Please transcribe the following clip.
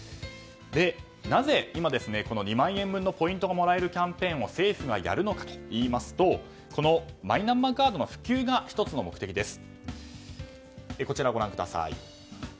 なぜ今、２万円分のポイントがもらえるキャンペーンを政府がやるのかといいますとこのマイナンバーカードの普及が１つの目的です。